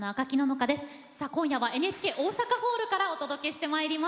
今夜はＮＨＫ大阪ホールからお届けしてまいります。